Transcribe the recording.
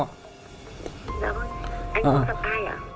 dạ vâng anh có gặp ai ạ